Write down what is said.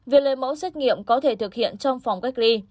việc lấy mẫu xét nghiệm có thể thực hiện trong phòng cách ly